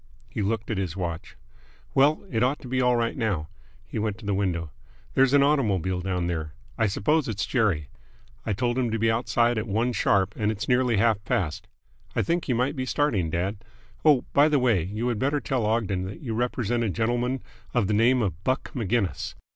He looked at his watch. "Well, it ought to be all right now." He went to the window. "There's an automobile down there. I suppose it's Jerry. I told him to be outside at one sharp and it's nearly half past. I think you might be starting, dad. Oh, by the way, you had better tell Ogden that you represent a gentleman of the name of Buck Maginnis.